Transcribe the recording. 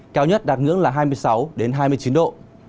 cao nhất đạt ngưỡng là hai mươi sáu hai mươi chín độ